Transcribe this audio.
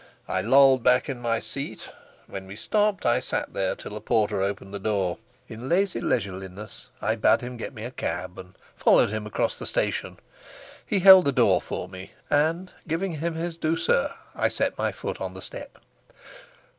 I lolled back in my seat; when we stopped I sat there till a porter opened the door. In lazy leisureliness I bade him get me a cab, and followed him across the station. He held the door for me, and, giving him his douceur, I set my foot on the step.